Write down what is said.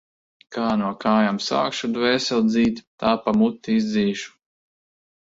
Kā no kājām sākšu dvēseli dzīt, tā pa muti izdzīšu.